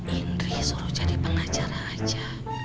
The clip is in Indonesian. indri suruh jadi pengacara aja